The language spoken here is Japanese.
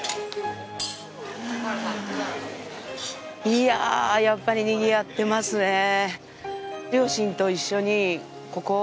いやぁ、やっぱり、にぎわってますねぇ。